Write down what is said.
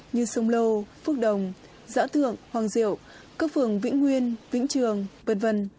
như sông lâu phước đồng giã tượng hoàng diệu các vườn vĩnh nguyên vĩnh trường v v